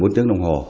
gần bốn tiếng đồng hồ